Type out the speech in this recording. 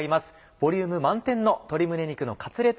ボリューム満点の鶏胸肉のカツレツ